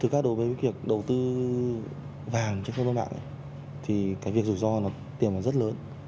thực ra đối với việc đầu tư vàng trên các mạng thì cái việc rủi ro tiền còn rất lớn